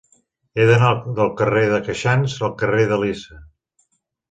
He d'anar del carrer de Queixans al carrer d'Elisa.